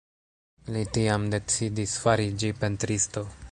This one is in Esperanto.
Li tiam decidis fariĝi pentristo.